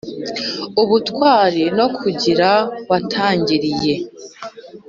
Ubutwari no kugira watangiriye